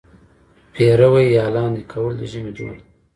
پېروی یا لاندی کول د ژمي دود دی.